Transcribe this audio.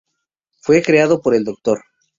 Fue creado por el Dr.